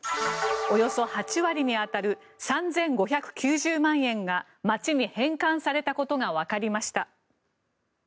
およそ８割に当たる３５９０万円が町に返還されたことがわかりました。